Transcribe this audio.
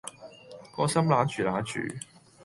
個心揦住揦住